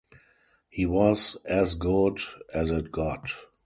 He was as good as it got.